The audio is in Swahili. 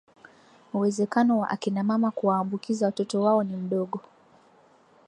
uwezekano wa akina mama kuwaambukiza watoto wao ni mdogo